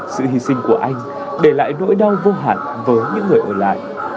sự hy sinh của anh để lại nỗi đau vô hẳn với những người ở lại